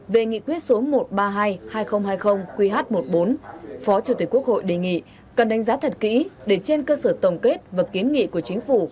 về nghị quyết số một trăm ba mươi hai hai nghìn hai mươi qh một mươi bốn phó chủ tịch quốc hội đề nghị cần đánh giá thật kỹ để trên cơ sở tổng kết và kiến nghị của chính phủ